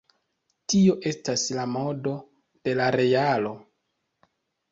Tio estas la modo de la realo.